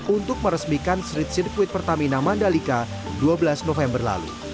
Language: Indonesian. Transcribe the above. untuk meresmikan street circuit pertamina mandalika dua belas november lalu